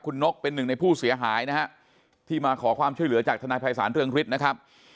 คุณนกเป็นหนึ่งในผู้เสียหายนะฮะที่มาขอความช่วยเหลือจากทนายภัยศาลเรืองฤทธิ์นะครับ